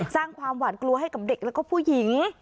สร้างความหวานกลัวให้กับเด็กแล้วก็ผู้หญิง